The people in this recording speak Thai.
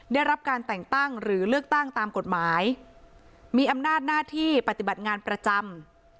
ได้รับการแต่งตั้งหรือเลือกตั้งตามกฎหมายมีอำนาจหน้าที่ปฏิบัติงานประจำ